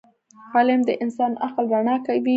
علم د انسان عقل رڼا کوي.